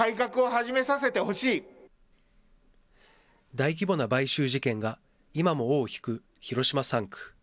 大規模な買収事件が今も尾を引く広島３区。